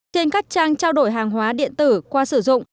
trên các trang trao đổi hàng hóa điện tử qua sử dụng